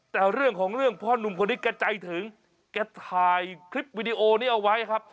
แต่เรื่องของเรื่องพ่อนุ่มคนนี้แกใจถึงแกถ่ายคลิปวิดีโอนี้เอาไว้ครับ